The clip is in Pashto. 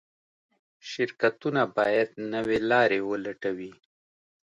شرکتونه باید نوې لارې ولټوي.